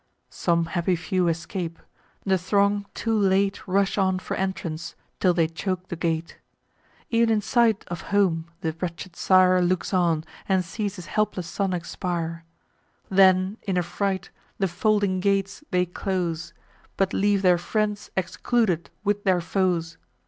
Some happy few escape: the throng too late Rush on for entrance, till they choke the gate. Ev'n in the sight of home, the wretched sire Looks on, and sees his helpless son expire. Then, in a fright, the folding gates they close, But leave their friends excluded with their foes.